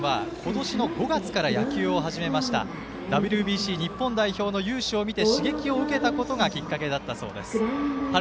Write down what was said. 長男のはると君は今年の５月から野球を始めましたＷＢＣの日本代表の雄姿を見て刺激を受けたことがきっかけだったそうです。